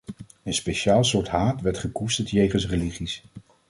Een speciaal soort haat werd gekoesterd jegens religies.